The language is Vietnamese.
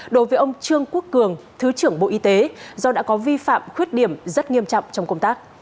đối với ông trương quốc cường thứ trưởng bộ y tế do đã có vi phạm khuyết điểm rất nghiêm trọng trong công tác